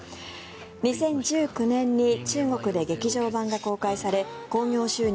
２０１９年に中国で劇場版が公開され興行収入